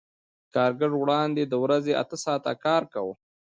کارګر وړاندې د ورځې اته ساعته کار کاوه